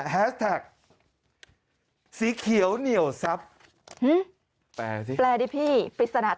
แฮสแท็กสีเขียวเหนี่ยวซับ